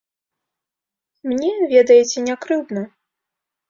Мне, ведаеце, не крыўдна.